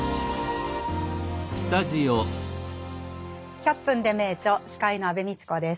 「１００分ｄｅ名著」司会の安部みちこです。